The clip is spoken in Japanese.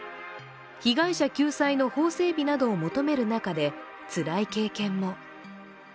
被害者救済の法整備などを求める中でつらい経験も。